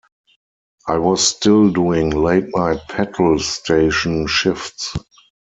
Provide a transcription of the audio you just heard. I was still doing late night petrol station shifts.